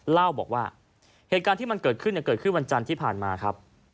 เล่าบอกว่าเหตุการณ์ที่มันเกิดขึ้นเกิดขึ้นวันจันทร์ที่ผ่านมาครับ